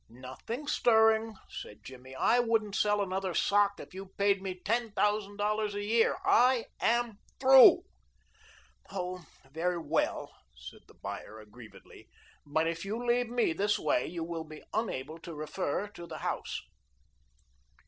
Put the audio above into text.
"Nothing stirring," said Jimmy. "I wouldn't sell another sock if you paid me ten thousand dollars a year. I am through." "Oh, very well," said the buyer aggrievedly, "but if you leave me this way you will be unable to refer to the house."